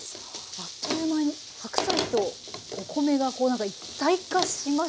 あっという間に白菜とお米がこうなんか一体化しましたね。